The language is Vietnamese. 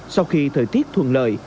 sau khi thời tiết thuận lợi